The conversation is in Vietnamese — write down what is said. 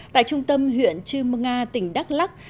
tại trung tâm huyện chư mơ nga tỉnh đắk lắc